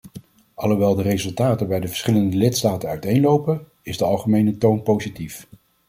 Alhoewel de resultaten bij de verschillende lidstaten uiteenlopen, is de algemene toon positief.